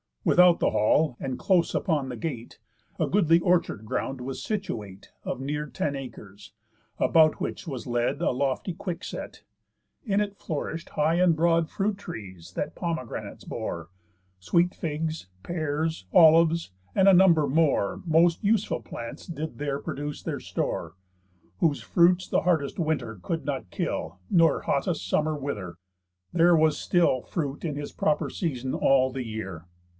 Without the hall, and close upon the gate, A goodly orchard ground was situate, Of near ten acres; about which was led A lofty quickset. In it flourished High and broad fruit trees, that pomegranates bore, Sweet figs, pears, olives; and a number more Most useful plants did there produce their store, Whose fruits the hardest winter could not kill, Nor hottest summer wither. There was still Fruit in his proper season all the year.